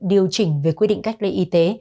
điều chỉnh về quy định cách lấy y tế